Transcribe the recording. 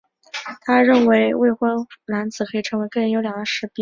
他认为未婚男子可以成为更优良的士兵。